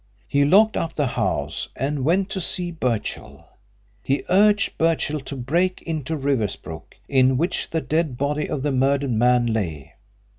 He locked up the house and went to see Birchill. He urged Birchill to break into Riversbrook, in which the dead body of the murdered man lay.